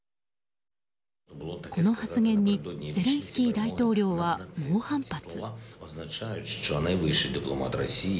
この発言にゼレンスキー大統領は猛反発。